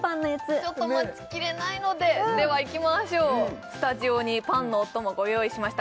ちょっと待ちきれないのでではいきましょうスタジオにパンのお供ご用意しました